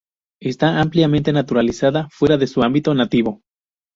Está ampliamente naturalizada fuera de su ámbito nativo.